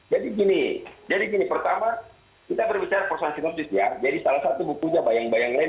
jadi gini pertama kita berbicara persansinopsis ya jadi salah satu bukunya bayang bayang lenin